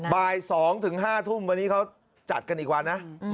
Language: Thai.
บ่าย๒๕ทุ่มวันนี้เขาจัดกันอีกวันนะ